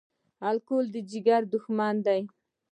الکول د ځیګر دښمن دی